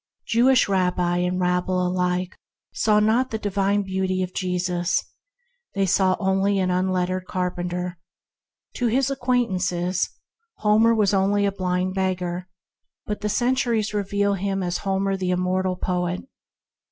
Jewish rabbi and rabble alike saw not the divine beauty of Jesus; they saw only an unlettered carpenter. To his acquaint ances, Homer was only a blind beggar, but the centuries reveal him as Homer the immortal poet.